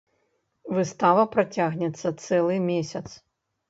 Выстава працягнецца цэлы месяц.